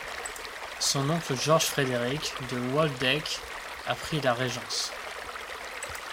Son oncle Georges-Frédéric de Waldeck a pris la régence.